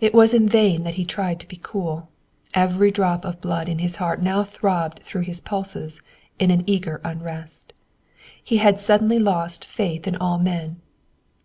It was in vain that he tried to be cool. Every drop of blood in his heart now throbbed through his pulses in an eager unrest. He had suddenly lost faith in all men.